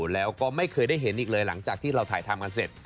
แล้วก็ไม่เคยได้เห็นอีกเลยหลังจากที่เราถ่ายทำกันเสร็จ